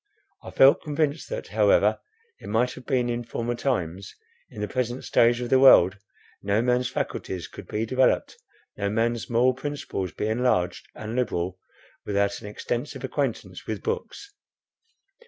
I felt convinced that however it might have been in former times, in the present stage of the world, no man's faculties could be developed, no man's moral principle be enlarged and liberal, without an extensive acquaintance with books.